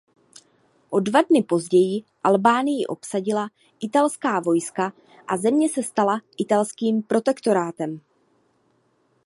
O dva dny později Albánii obsadila italská vojska a země se stala italským protektorátem.